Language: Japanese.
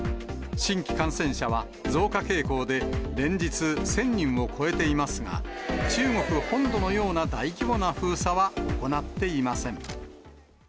新規感染者は増加傾向で、連日１０００人を超えていますが、中国本土のような大規模な封鎖は行っていません。